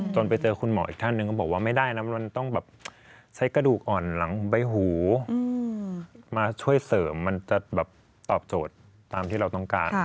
ไปเจอคุณหมออีกท่านหนึ่งก็บอกว่าไม่ได้นะมันต้องแบบใช้กระดูกอ่อนหลังใบหูมาช่วยเสริมมันจะแบบตอบโจทย์ตามที่เราต้องการ